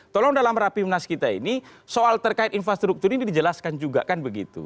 tolong dalam rapimnas kita ini soal terkait infrastruktur ini dijelaskan juga kan begitu